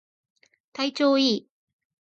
体調いい